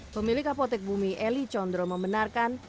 pemilik apotek bumi eli condro membenarkan